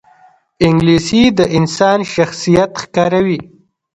انګلیسي د انسان شخصیت ښکاروي